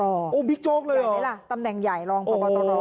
โอ้ยบิ๊กโจ๊กเลยเหรอโอ้ยไม่แล้วล่ะตำแหน่งใหญ่รองพวตรรอ